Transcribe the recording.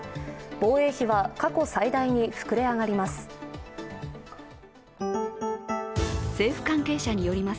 防衛費は過去最大に膨れ上がります。